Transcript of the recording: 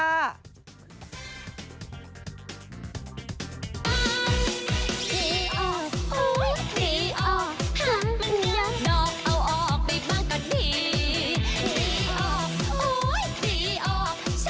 สวัสดีค่า